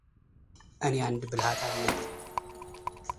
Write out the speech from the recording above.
እኔ አንድ ብልሃት አለኝ፡፡